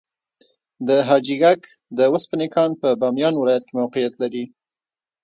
د حاجي ګک د وسپنې کان په بامیان ولایت کې موقعیت لري.